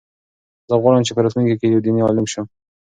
زه غواړم چې په راتلونکي کې یو دیني عالم شم.